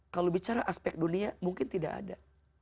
kalau bicara aspek dunia mungkin tidak ada